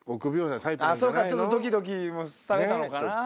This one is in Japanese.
ちょっとドキドキもされたのかな。